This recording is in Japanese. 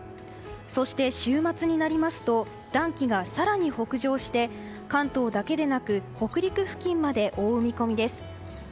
そして、週末になりますと暖気が更に北上して関東だけでなく北陸付近まで覆う見込みです。